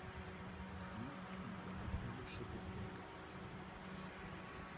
Sie ging in die einheimische Bevölkerung ein.